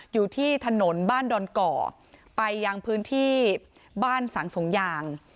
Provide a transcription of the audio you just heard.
อยู่ที่ถนนบ้านดอนก่อไปยังพื้นที่บ้านสังสงยาง